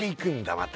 また